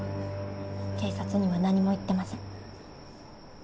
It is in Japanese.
警察には何も言ってません。